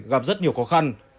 gặp rất nhiều khó khăn